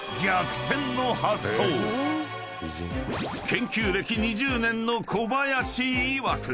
［研究歴２０年の小林いわく